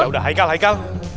yaudah haikal haikal